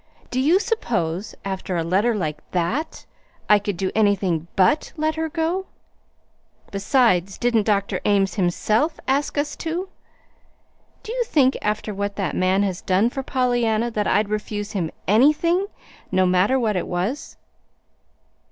Do you suppose, after a letter like that, I could do anything BUT let her go? Besides, didn't Dr. Ames HIMSELF ask us to? Do you think, after what that man has done for Pollyanna, that I'd refuse him ANYTHING no matter what it was?"